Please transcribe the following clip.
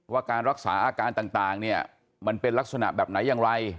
ว่าการรักษาอาการต่างเนี่ยมันเป็นลักษณะแบบไหนอย่างไร